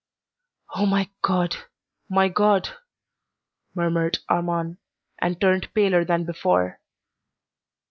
"O my God, my God!" murmured Armand, and turned paler than before.